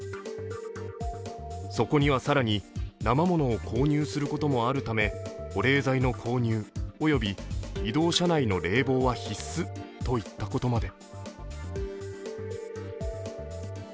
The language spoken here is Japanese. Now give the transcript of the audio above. そこには更になま物を購入することもあるため保冷剤の購入および移動車内の冷房は必須といったことまで。